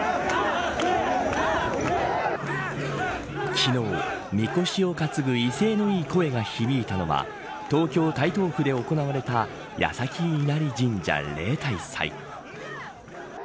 昨日、みこしを担ぐ威勢のいい声が響いたのは東京、台東区で行われた矢先稲荷神社、例大祭。